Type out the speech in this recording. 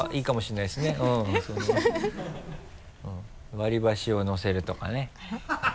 割り箸を乗せるとかね。